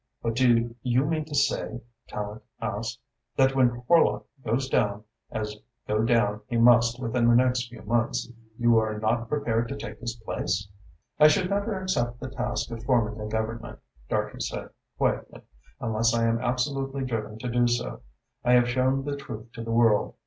"But do you mean to say," Tallente asked, "that when Horlock goes down, as go down he must within the next few months, you are not prepared to take his place?" "I should never accept the task of forming a government," Dartrey said quietly, "unless I am absolutely driven to do so. I have shown the truth to the world.